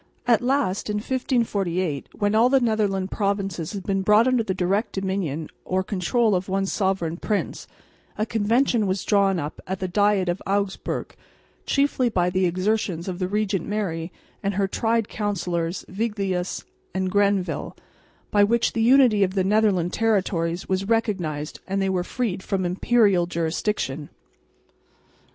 At last in 1548, when all the Netherland provinces had been brought under the direct dominion or control of one sovereign prince, a convention was drawn up at the diet of Augsburg, chiefly by the exertions of the Regent Mary and her tried councillors Viglius and Granvelle, by which the unity of the Netherland territories was recognised and they were freed from imperial jurisdiction.